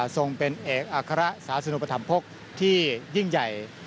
ทรงเป็นเอกอัคระสาสนุปธรรมภกที่ยิ่งใหญ่